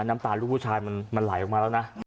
น้ำตาลูกผู้ชายมันไหลออกมาแล้วนะ